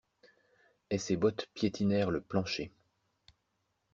Et ses bottes piétinèrent le plancher.